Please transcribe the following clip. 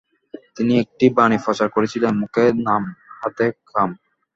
তিনি একটি বাণী প্রচার করেছিলেন 'মুখে নাম হাতে কাম'।